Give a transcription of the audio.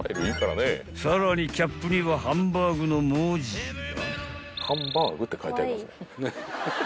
［さらにキャップにはハンバーグの文字が］